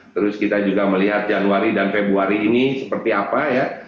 terus kita juga melihat januari dan februari ini seperti apa ya